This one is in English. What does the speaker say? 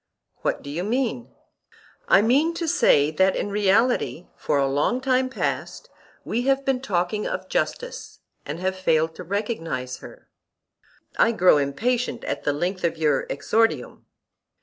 What do you mean? I mean to say that in reality for a long time past we have been talking of justice, and have failed to recognise her. I grow impatient at the length of your exordium.